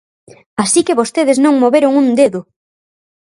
¡Así que vostedes non moveron un dedo!